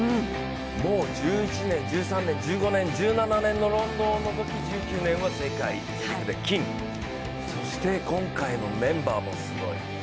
もう１１年、１３年、１５年、１７年のロンドン、１９年は世陸で金、そして今回のメンバーもすごい。